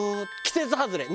季節外れ。